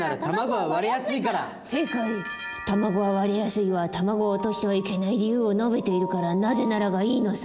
「卵は割れやすい」は卵を落としてはいけない理由を述べているから「なぜなら」がいいのさ。